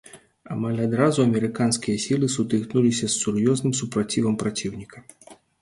Амаль адразу амерыканскія сілы сутыкнуліся з сур'ёзным супрацівам праціўніка.